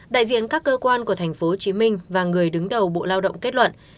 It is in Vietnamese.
đại diện các cơ quan của tp hcm và người đứng đầu bộ lao động kết luận